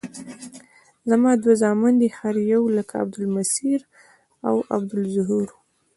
زما دوه زامن دي هر یو لکه عبدالمصویر او عبدالظهور.